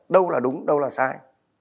đâu là đúng đâu là sai